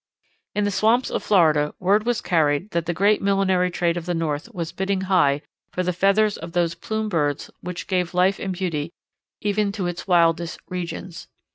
In the swamps of Florida word was carried that the great millinery trade of the North was bidding high for the feathers of those plume birds which gave life and beauty even to its wildest regions.